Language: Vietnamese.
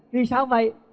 vì sao vậy